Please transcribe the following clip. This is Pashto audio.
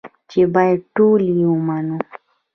چې بايد ټول يې ومنو.